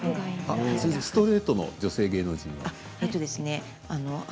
ストレートの女性芸能人は。